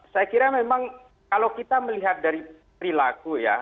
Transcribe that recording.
saya kira memang kalau kita melihat dari perilaku ya